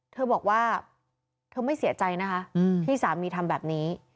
เธอบอกว่าเธอไม่เสียใจนะคะที่สามีทำแบบนี้